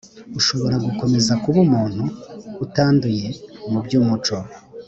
ushobora gukomeza kuba umuntu utanduye mu by umuco